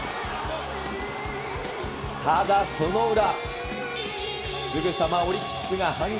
ただ、その裏、すぐさまオリックスが反撃。